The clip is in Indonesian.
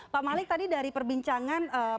pak malik tadi dari perbincangan pak saan dan juga pak siti